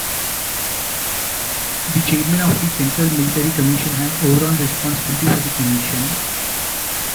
The Chairman of the Central Military Commission has overall responsibility for the commission.